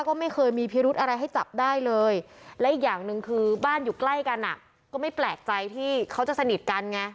ก็ไม่เคยมีพิรุธอะไรให้จับได้เลยและอีกอย่างหนึ่งคือบ้านอยู่ใกล้กันอ่ะก็ไม่แปลกใจที่เขาจะสนิทกันไง